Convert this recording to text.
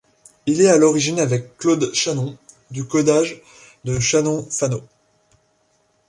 Il est à l'origine, avec Claude Shannon, du codage de Shannon-Fano.